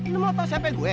lo mau tau siapa gue